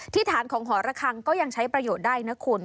ฐานของหอระคังก็ยังใช้ประโยชน์ได้นะคุณ